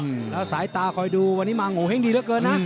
แล้วสายตาคอยดูวันนี้มาโงเห้งดีเหลือเกินนะ